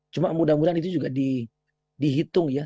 cuma mudah mudahan itu juga dihitung ya